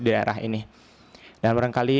di daerah ini dan barangkali